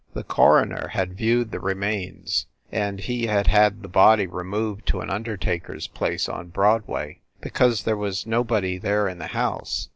The coroner had viewed the remains, and he had had the body removed to an undertaker s place on Broadway because there was nobody there in the house.